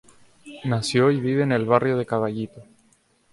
Nació y vive en el barrio de Caballito.